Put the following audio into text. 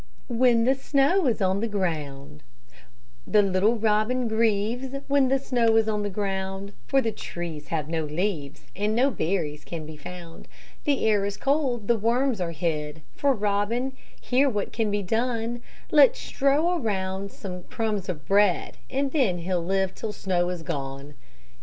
WHEN THE SNOW IS ON THE GROUND The little robin grieves When the snow is on the ground, For the trees have no leaves, And no berries can be found. The air is cold, the worms are hid; For robin here what can be done? Let's strow around some crumbs of bread, And then he'll live till snow is gone.